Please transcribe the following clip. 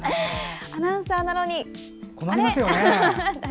アナウンサーなのに。